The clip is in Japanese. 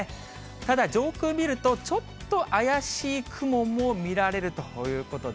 ただ上空見ると、ちょっと怪しい雲も見られるということで。